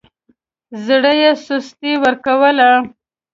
زړه يې سستي ورکوله.